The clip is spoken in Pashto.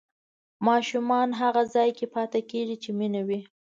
ماشومان هغه ځای کې پاتې کېږي چې مینه وي.